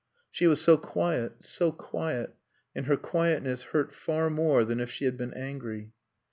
She was so quiet, so quiet, and her quietness hurt far more than if she had been angry.